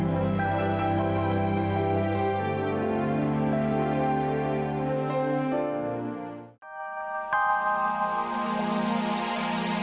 saya bisa ber attendin